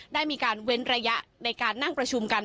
ได้มีการเว้นระยะในการนั่งประชุมกัน